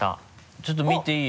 ちょっと見ていい？